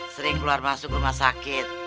sering keluar masuk rumah sakit